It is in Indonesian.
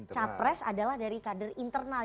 capres adalah dari kader internal